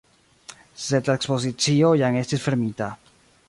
Sed la ekspozicio jam estis fermita.